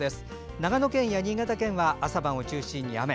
長野県や新潟県は朝晩を中心に雨。